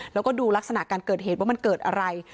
แล้วก็ดูลักษณะการเกิดเหตุว่ามันเกิดอะไร